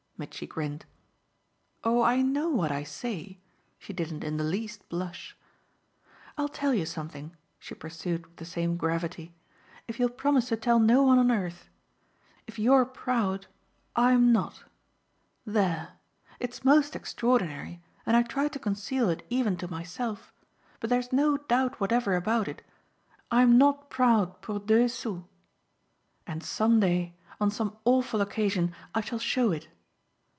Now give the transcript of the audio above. Mitchy grinned. "Oh I know what I say!" she didn't in the least blush. "I'll tell you something," she pursued with the same gravity, "if you'll promise to tell no one on earth. If you're proud I'm not. There! It's most extraordinary and I try to conceal it even to myself; but there's no doubt whatever about it I'm not proud pour deux sous. And some day, on some awful occasion, I shall show it.